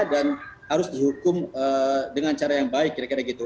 dan harus dihukum dengan cara yang baik kira kira gitu